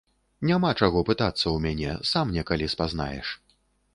Няма чаго пытацца ў мяне, сам некалі спазнаеш.